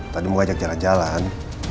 tadi mau ajak jalan jalan